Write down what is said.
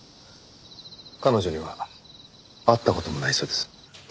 彼女には会った事もないそうです。